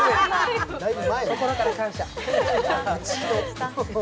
心から感謝。